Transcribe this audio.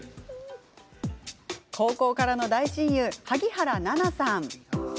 高校からの大親友、萩原菜々さん。